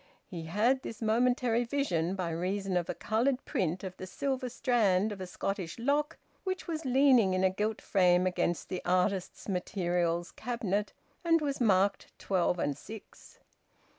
He had this momentary vision by reason of a coloured print of the "Silver Strand" of a Scottish loch which was leaning in a gilt frame against the artists' materials cabinet and was marked twelve and six.